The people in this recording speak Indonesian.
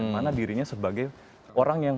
mana dirinya sebagai orang yang